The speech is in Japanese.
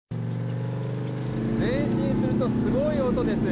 前進するとすごい音です。